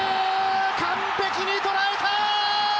完璧に捉えたー！